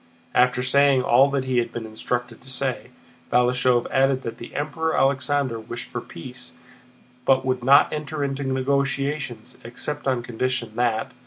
After saying all he had been instructed to say, Balashëv added that the Emperor Alexander wished for peace, but would not enter into negotiations except on condition that...